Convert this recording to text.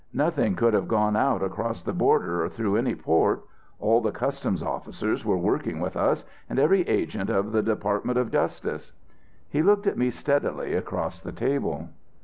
Nothing could have gone out across the border or through any port. All the customs officers were working with us, and every agent of the Department of Justice." He looked at me steadily across the table.